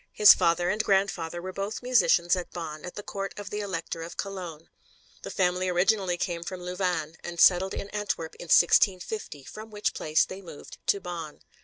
His father and grandfather were both musicians at Bonn, at the Court of the Elector of Cologne. The family originally came from Louvain, and settled in Antwerp in 1650, from which place they moved to Bonn.